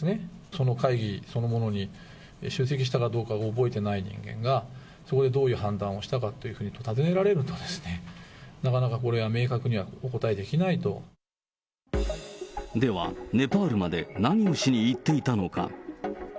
その会議そのものに出席したかどうかは覚えてない人間が、そこでどういう判断をしたかというふうに尋ねられると、なかなかでは、ネパールまで何をしに行っていたのか。